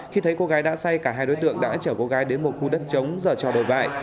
khi thấy cô gái đã say cả hai đối tượng đã chở cô gái đến một khu đất chống giờ trò đồ bại